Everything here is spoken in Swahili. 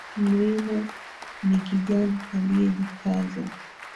Mrima ni kijana aliyejikaza